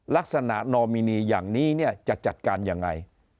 ลักษณะนอมินีอย่างนี้เนี่ยจะจัดการยังไง